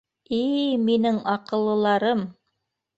— И-и-и, минең аҡыллыларым!